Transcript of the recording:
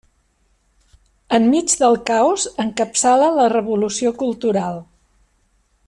Enmig del caos encapçala la Revolució cultural.